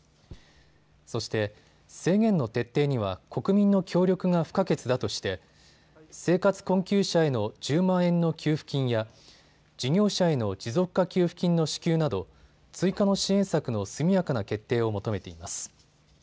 そして、制限の徹底には国民の協力が不可欠だとして生活困窮者への１０万円の給付金や事業者への持続化給付金の支給など追加の支援策の速やかな決定を求めています。